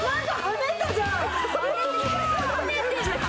跳ねてる！